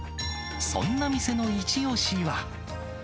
そんな店の一押しは。